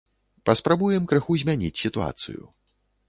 Паспрабуем крыху змяніць сітуацыю.